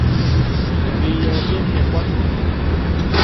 Bəyìɛ bən nə bɔ̄n bən.